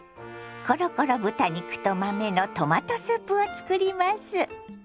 コロコロ豚肉と豆のトマトスープを作ります。